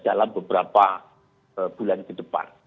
dalam beberapa bulan ke depan